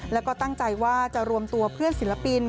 แล้วก็ตั้งใจว่าจะรวมตัวเพื่อนศิลปิน